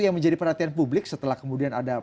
yang menjadi perhatian publik setelah kemudian ada